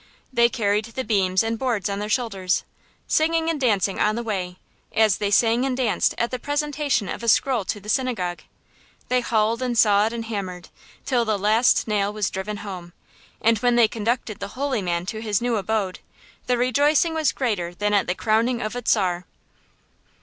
They carried the beams and boards on their shoulders, singing and dancing on the way, as they sang and danced at the presentation of a scroll to the synagogue. They hauled and sawed and hammered, till the last nail was driven home; and when they conducted the holy man to his new abode, the rejoicing was greater than at the crowning of a czar.